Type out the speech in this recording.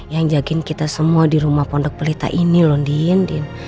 yang jagain kita semua di rumah pondok pelita ini loh diin din